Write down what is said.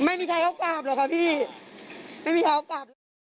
ไม่มีใครเขากราบหรอกค่ะพี่ไม่มีใครเขากราบแล้ว